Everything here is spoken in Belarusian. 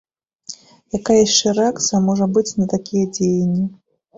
Якая яшчэ рэакцыя можа быць на такія дзеянні?